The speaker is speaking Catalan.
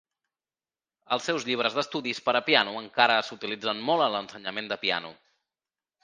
Els seus llibres d'estudis per a piano encara s'utilitzen molt en l'ensenyament de piano.